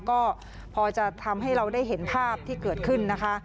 ก็พอจะทำให้เราได้เห็นภาพที่เกิดขึ้นนะคะ